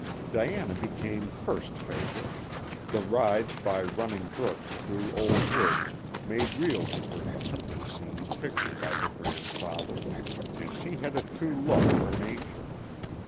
Diana became first favorite ; the rides by run ning brooks through old woods made real to her the hunting scenes pictured by her grand father, and she had a true love for nature.